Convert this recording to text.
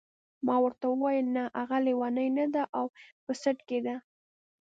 ما ورته وویل نه هغه لیونی نه دی او په سد کې دی.